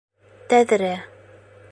Тәҙрә...